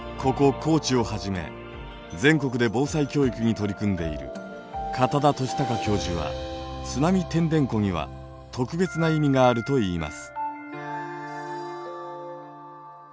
高知をはじめ全国で防災教育に取り組んでいる片田敏孝教授は「津波てんでんこ」には特別な意味があると言います。